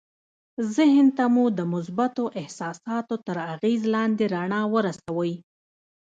ذهن ته مو د مثبتو احساساتو تر اغېز لاندې رڼا ورسوئ